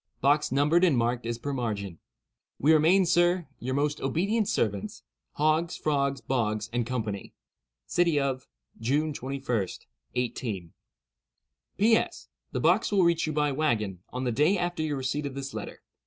Box numbered and marked as per margin. "We remain, sir, "Your most ob'nt ser'ts, "HOGGS, FROGS, BOGS, & CO. "City of—, June 21, 18—. "P.S.—The box will reach you by wagon, on the day after your receipt of this letter.